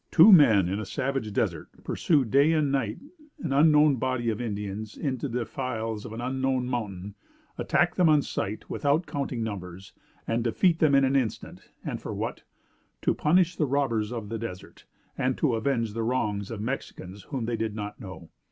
Two men, in a savage desert, pursue day and night an unknown body of Indians into the defiles of an unknown mountain attack them on sight, without counting numbers and defeat them in an instant and for what? To punish the robbers of the desert, and to avenge the wrongs of Mexicans whom they did not know.